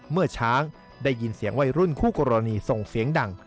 เมื่อช้างได้ยินเสียงวัยรุ่นคู่กรณีส่งเสียงดัง